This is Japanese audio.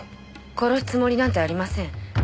殺すつもりなんてありません。